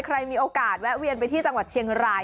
ใครมีโอกาสแวะเวียนไปที่จังหวัดเชียงราย